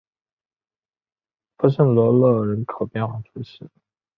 弗什罗勒人口变化图示